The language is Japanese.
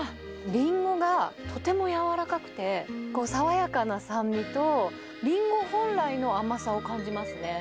リンゴがとても柔らかくて、こう爽やかな酸味と、リンゴ本来の甘さを感じますね。